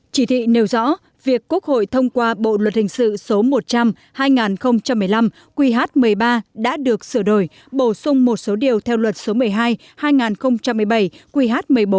chỉ thị nêu rõ việc quốc hội thông qua bộ luật hình sự số một trăm linh hai nghìn một mươi năm qh một mươi ba đã được sửa đổi bổ sung một số điều theo luật số một mươi hai hai nghìn một mươi bảy qh một mươi bốn